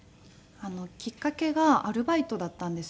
きっかけがアルバイトだったんですよ。